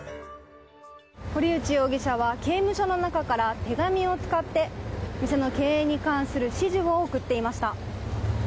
堀内容疑者は刑務所の中から手紙を使って、店の経営に関する指示を送っていました。